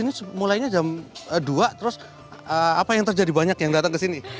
ini mulainya jam dua terus apa yang terjadi banyak yang datang ke sini